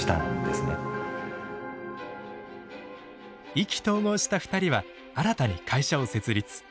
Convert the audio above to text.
意気投合した２人は新たに会社を設立。